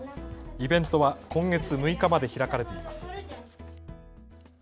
イベントは今月６日まで開かれています。